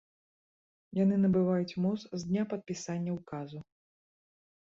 Яны набываюць моц з дня падпісання ўказу.